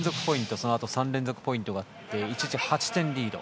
そのあと３連続ポイントがあって一時８点リード。